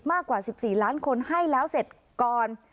มากกว่า๑๔ล้านคนให้แล้วเสร็จก่อน